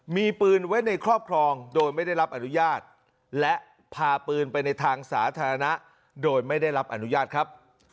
มีปืนไว้ในครอบครองโดยไม่ได้รับอนุญาตและพาปืนไปในทางสาธารณะโดยไม่ได้รับอนุญาตครับ